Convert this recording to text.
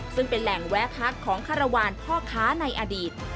ซึ่งเป็นแหล่งแวะพักของคารวาลพ่อค้าในอดีต